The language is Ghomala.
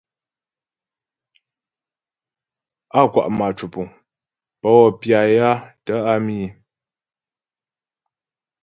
Á kwa' mâ cwəpuŋ pə wɔ pya ya tə́ á mǐ̃.